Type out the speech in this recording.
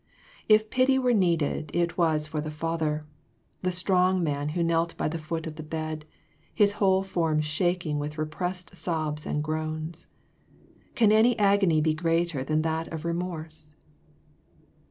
If pity were needed it was for the father ; the strong man who knelt by the foot of the bed, his whole form shaking with repressed sobs and groans. Can any agony be greater than that of remorse